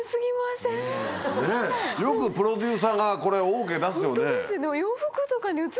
ねっよくプロデューサーがこれＯＫ出すよね。